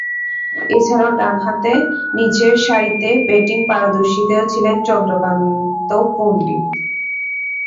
এছাড়াও, ডানহাতে নিচেরসারিতে ব্যাটিংয়ে পারদর্শী ছিলেন চন্দ্রকান্ত পণ্ডিত।